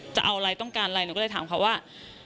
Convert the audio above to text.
จะเอาอะไรต้องการอะไรหนูก็เลยถามเขาว่า